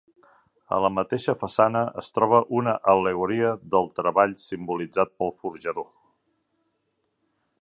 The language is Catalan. A la mateixa façana es troba una al·legoria del treball, simbolitzat pel forjador.